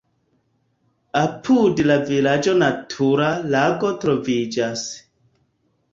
Apud la vilaĝo natura lago troviĝas.